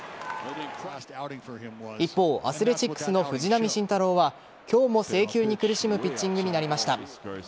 一方アスレチックスの藤浪晋太郎は今日も制球に苦しむピッチングになりました。